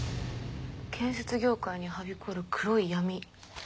建設業界にはびこる黒い闇。